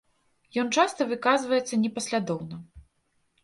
Ён часта выказваецца непаслядоўна.